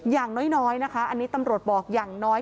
อย่างน้อยนะคะอันนี้ตำรวจบอกอย่างน้อย